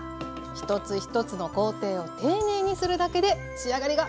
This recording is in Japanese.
一つ一つの工程を丁寧にするだけで仕上がりが見違えます！